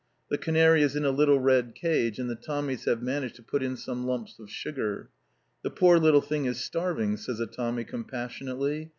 The canary is in a little red cage, and the Tommies have managed to put in some lumps of sugar. "The poor little thing is starving!" says a Tommy compassionately.